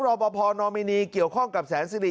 รอปภนอมินีเกี่ยวข้องกับแสนสิริ